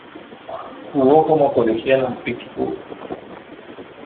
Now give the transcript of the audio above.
Jugo como colegial en Pittsburgh.